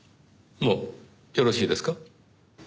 もうよろしいですか？